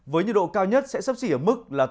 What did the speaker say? với nhiệt độ cao nhất sẽ sắp xỉ ở mức là hai mươi độ